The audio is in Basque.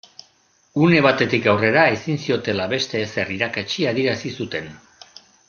Une batetik aurrera ezin ziotela beste ezer irakatsi adierazi zuten.